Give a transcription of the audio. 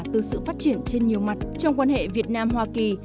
từ sự phát triển trên nhiều mặt trong quan hệ việt nam hoa kỳ